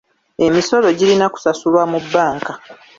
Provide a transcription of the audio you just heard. Emisolo girina kusasulwa mu bbanka.